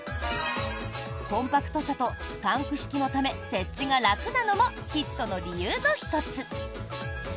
コンパクトさとタンク式のため設置が楽なのもヒットの理由の１つ！